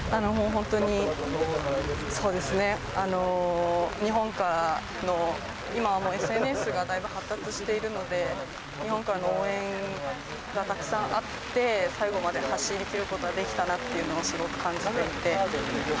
本当に、そうですね、日本からの、今もう、ＳＮＳがだいぶ発達しているので、日本からの応援がたくさんあって、最後まで走りきることができたなっていうのは、すごく感じていて。